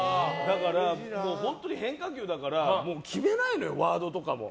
本当に変化球だから決めないのよ、ワードとかも。